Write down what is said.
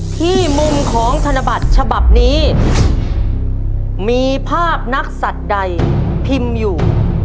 ที่มุมของธนบัตรฉบับนี้มีภาพนักศัตริย์ใดพิมพ์อยู่